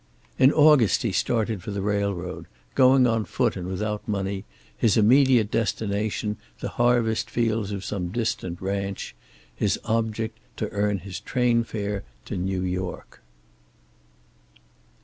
In August he started for the railroad, going on foot and without money, his immediate destination the harvest fields of some distant ranch, his object to earn his train fare to New York.